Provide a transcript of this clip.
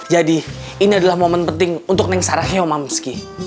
jadi ini adalah momen penting untuk neng saraheyo mamski